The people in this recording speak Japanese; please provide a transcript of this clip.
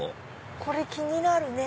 これ気になるね。